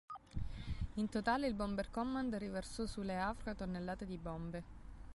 In totale il Bomber Command riversò su Le Havre tonnellate di bombe.